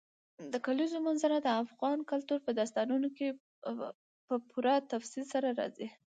د کلیزو منظره د افغان کلتور په داستانونو کې په پوره تفصیل سره راځي.